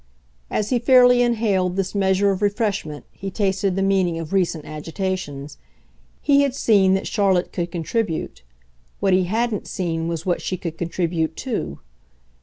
As he fairly inhaled this measure of refreshment he tasted the meaning of recent agitations. He had seen that Charlotte could contribute what he hadn't seen was what she could contribute TO.